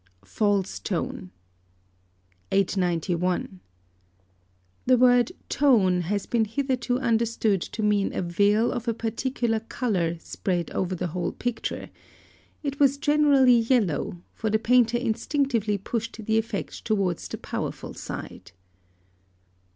FALSE TONE. 891. The word tone has been hitherto understood to mean a veil of a particular colour spread over the whole picture; it was generally yellow, for the painter instinctively pushed the effect towards the powerful side.